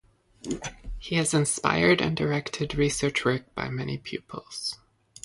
He has inspired and directed research work by many pupils.